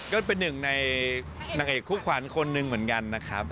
ก็เป็นหนึ่งในนางเอกคู่ขวัญคนหนึ่งเหมือนกันนะครับ